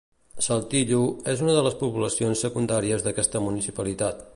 Saltillo és una de les poblacions secundàries d'aquesta municipalitat.